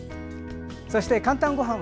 そして「かんたんごはん」